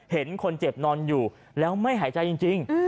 เห็นคนเจ็บนอนอยู่แล้วไม่หายใจจริง